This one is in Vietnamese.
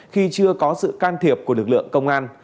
khi chưa có sự can thiệp của lực lượng công an